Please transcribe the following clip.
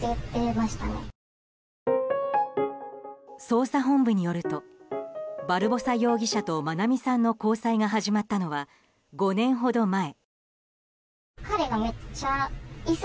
捜査本部によるとバルボサ容疑者と愛美さんの交際が始まったのは５年ほど前。